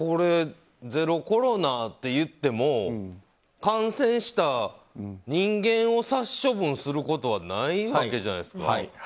ゼロコロナっていっても感染した人間を殺処分することはないわけじゃないですか。